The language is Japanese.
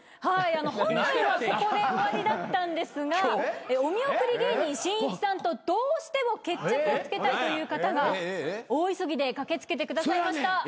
はい本来はここで終わりだったんですがお見送り芸人しんいちさんとどうしても決着をつけたいという方が大急ぎで駆け付けてくださいました。